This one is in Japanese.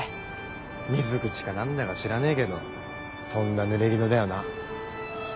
水口か何だか知らねえけどとんだぬれぎぬだよな。